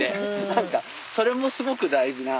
何かそれもすごく大事な。